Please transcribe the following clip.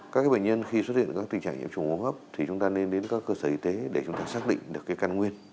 các bệnh nhân khi xuất hiện các tình trạng nhiễm trùng hô hấp thì chúng ta nên đến các cơ sở y tế để chúng ta xác định được căn nguyên